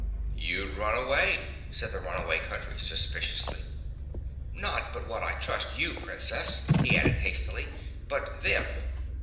"You'd run away," said the Runaway Country suspiciously. "Not but what I trust you, Princess," he added hastily, "but them."